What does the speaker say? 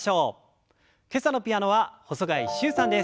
今朝のピアノは細貝柊さんです。